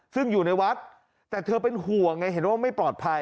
ซึ่งอยู่ในวัดแต่เธอเป็นห่วงไงเห็นว่าไม่ปลอดภัย